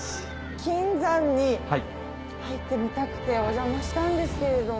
金山に入ってみたくてお邪魔したんですけれども。